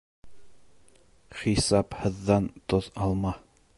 Хисапһыҙҙан тоҙ алма.